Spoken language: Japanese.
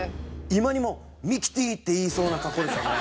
今にも「ミキティ！」って言いそうな格好ですよね。